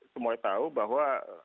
semua tahu bahwa